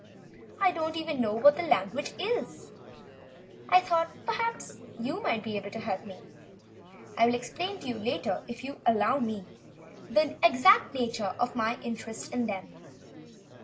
I don't even know what the language is. I thought, perhaps, that you might be able to help me. I will explain to you later, if you will allow me, the exact nature of my interest in them."